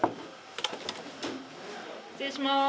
失礼します。